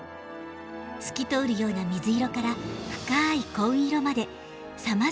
透き通るような水色から深い紺色までさまざまな青のタイル。